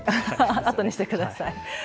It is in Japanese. あとにしてください。